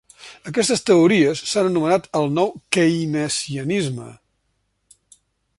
Aquestes teories s'han anomenat el nou Keynesianisme.